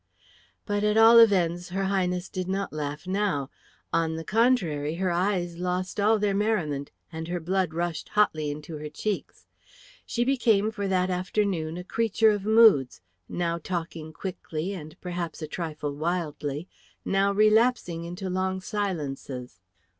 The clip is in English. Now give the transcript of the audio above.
But at all events her Highness did not laugh now. On the contrary, her eyes lost all their merriment, and her blood rushed hotly into her cheeks. She became for that afternoon a creature of moods, now talking quickly and perhaps a trifle wildly, now relapsing into long silences.